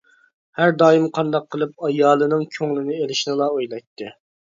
ھەر دائىم قانداق قىلىپ ئايالىنىڭ كۆڭلىنى ئېلىشنىلا ئويلايتتى.